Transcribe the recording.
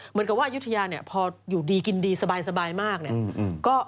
เหมือนกับว่าอายุทยาเนี่ยพออยู่ดีกินดีสบายมากเนี่ย